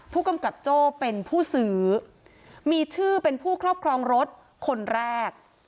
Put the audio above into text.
ผู้กำกับโจ้เป็นผู้ซื้อมีชื่อเป็นผู้ครอบครองรถคนแรก